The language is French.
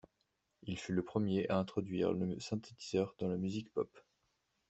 Il fut le premier à introduire le synthétiseur dans la musique pop.